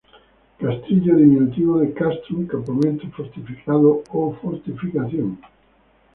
Castrillo, diminutivo de "Castrum, "campamento fortificado o fortificación"".